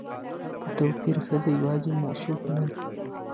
په توپير ښځه يواځې موصوف نه ده